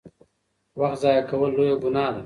وخت ضایع کول لویه ګناه ده.